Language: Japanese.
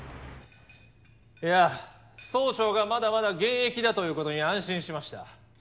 いや総長がまだまだ現役だということに安心しました。